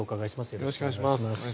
よろしくお願いします。